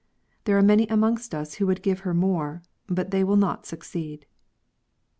There are many amongst us who would give her more : but thev will not succeed.